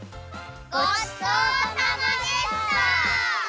ごちそうさまでした！